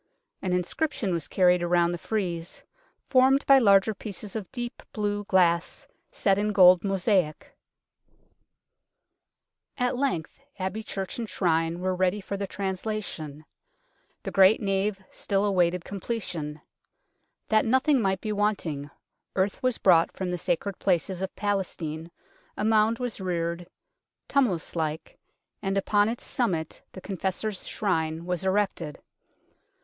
An inscrip tion was carried round the frieze, formed by larger pieces of deep blue glass, set in gold mosaic. SHRINE OF EDWARD THE CONFESSOR 49 At length Abbey church and Shrine were ready for the translation ; the great nave still awaited completion. That nothing might be wanting, earth was brought from the sacred places of Palestine, a mound was reared, tumul ous like, and upon its summit the Confessor's Shrine was erected.